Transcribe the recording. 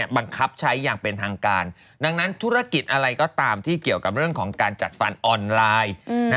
บังคับใช้อย่างเป็นทางการดังนั้นธุรกิจอะไรก็ตามที่เกี่ยวกับเรื่องของการจัดฟันออนไลน์